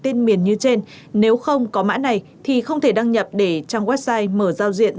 tên miền như trên nếu không có mã này thì không thể đăng nhập để trang website mở giao diện